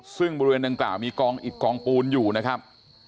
ซึ่งบริเวณดังกล่าวมีกองอิดกองปูนอยู่นะครับ